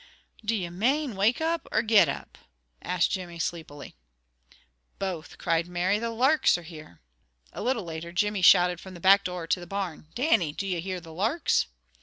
"Do you mane, wake up, or get up?" asked Jimmy sleepily. "Both," cried Mary. "The larks are here!" A little later Jimmy shouted from the back door to the barn: "Dannie, do you hear the larks?"